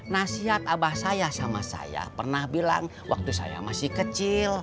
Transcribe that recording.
nasihat abah saya sama saya pernah bilang waktu saya masih kecil